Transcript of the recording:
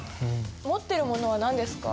持っているものは何ですか？